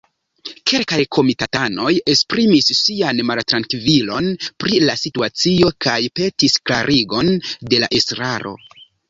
Kelkaj komitatanoj esprimis sian maltrankvilon pri la situacio kaj petis klarigon de la estraro.